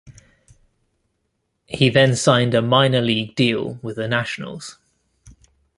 He then signed a minor league deal with the Nationals.